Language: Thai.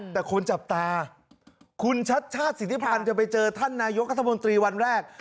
แต่คนจับตาคุณชัดชาติสิทธิพันธ์จะไปเจอท่านนายกรัฐมนตรีวันแรก